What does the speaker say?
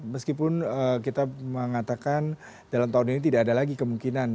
meskipun kita mengatakan dalam tahun ini tidak ada lagi kemungkinan